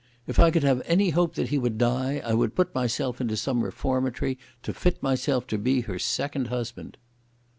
If I could have any hope that he would die I would put myself into some reformatory to fit myself to be her second husband."